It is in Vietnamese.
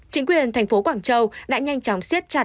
chính quyền thành phố quảng châu đã nhanh chóng xiết các ca nhiễm